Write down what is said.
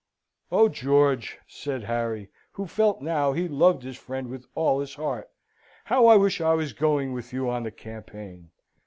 "Oh, George," said Harry, who felt now how he loved his friend with all his heart, "how I wish I was going with you on the campaign!"